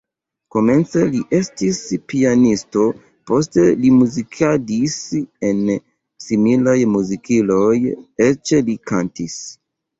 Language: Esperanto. Komence li estis pianisto, poste li muzikadis en similaj muzikiloj, eĉ li kantis.